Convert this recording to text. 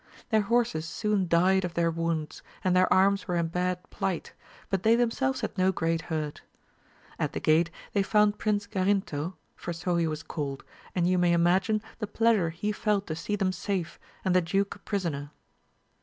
Their horses soon died of their wounds, and their arms were in bad plight, but they themselves had no great hurt. At the gate they found Prince Garinto, for so he was called, and you may imagine the pleasure he felt to sec them safe, and the duke a prisoner.